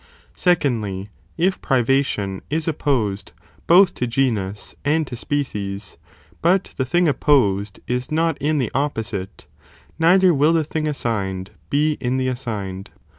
Secondly, if privation is opposed both to genus and to species, but the thing opposed is not in the opposite, neither will the thing assigned be in the assigned